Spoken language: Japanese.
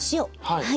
はい。